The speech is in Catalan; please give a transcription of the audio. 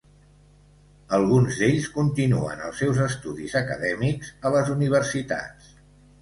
Alguns d'ells continuen els seus estudis acadèmics a les universitats.